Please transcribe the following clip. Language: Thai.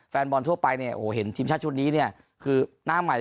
แฟนบอลทั่วไปเนี่ยโหเห็นชาติชนนี้เนี้ยคือหน้าไหม